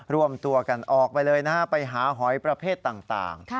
รวมตัวกันออกไปเลยนะฮะไปหาหอยประเภทต่าง